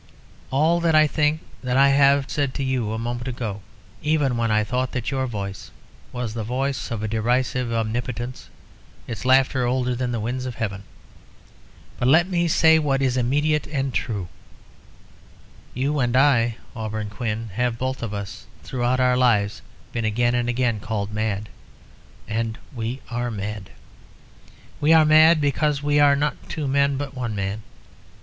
All that I think of that I have said to you a moment ago, even when I thought that your voice was the voice of a derisive omnipotence, its laughter older than the winds of heaven. But let me say what is immediate and true. You and I, Auberon Quin, have both of us throughout our lives been again and again called mad. And we are mad. We are mad, because we are not two men, but one man.